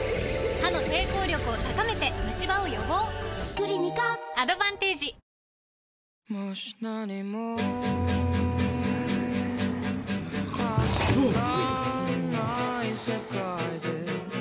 クリニカアドバンテージうーんうわっ！